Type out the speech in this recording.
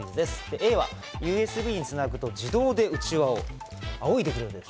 Ａは、ＵＳＢにつなぐと、自動でうちわをあおいでくれる。